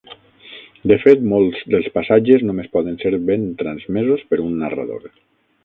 De fet, molts dels passatges només poden ser ben transmesos per un narrador.